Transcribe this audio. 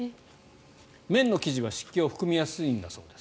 綿の生地は湿気を含みやすいんだそうです。